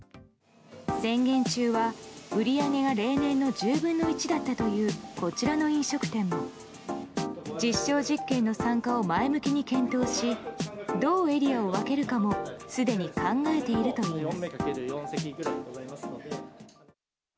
宣言中は売り上げが例年の１０分の１だったというこちらの飲食店も実証実験の参加を前向きに検討しどうエリアを分けるかもすでに考えているといいます。